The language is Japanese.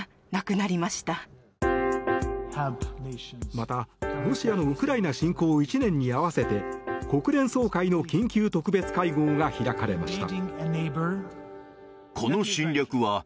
また、ロシアのウクライナ侵攻１年に合わせて国連総会の緊急特別会合が開かれました。